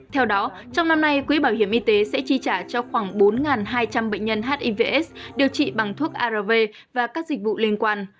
theo đó trong năm nay quỹ bảo hiểm y tế sẽ chi trả cho khoảng bốn hai trăm linh bệnh nhân hivs điều trị bằng thuốc arv và các dịch vụ liên quan